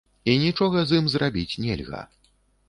І нічога з ім зрабіць нельга.